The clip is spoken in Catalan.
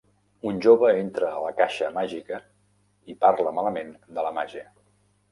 Un jove entre a la Caixa Màgica i parla malament de la màgia.